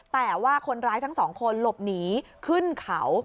แต่ว่าคนร้ายทั้งสองคนหลบหนีขึ้นเขา